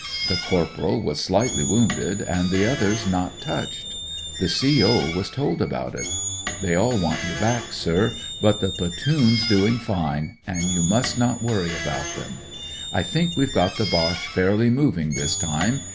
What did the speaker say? The corporalwas slightly wounded, and the others not touched. The CO. was told about it. They all want you back, sir, but the platoon's domg fine, and you THE HOSPITAL MAIL BAGS 185 must not worry about them. I think we've got the Boche fairly moving this time.